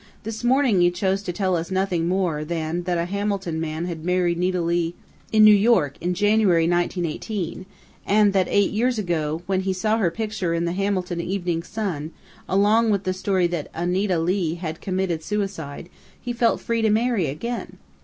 "This morning you chose to tell us nothing more than that a Hamilton man had married Nita Leigh in New York in January, 1918, and that eight years ago, when he saw her picture in The Hamilton Evening Sun, along with the story that 'Anita Lee' had committed suicide, he felt free to marry again....